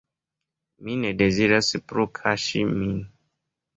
Mi ne deziras plu kaŝi min.